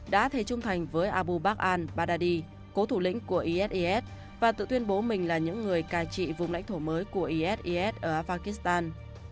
đã thề trung thành với abu bakr al baghdadi cố thủ lĩnh của is is và tự tuyên bố mình là những người cài trị vùng lãnh thổ mới của is is ở afghanistan